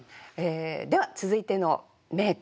では続いての名句